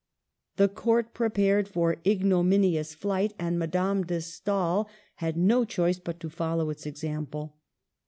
The Court prepared for ignominious flight, and Madame de Stael had no choice but to follow its example.